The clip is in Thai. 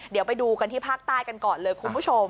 เดี๋ยวไปดูกันที่ภาคใต้กันก่อนเลยคุณผู้ชม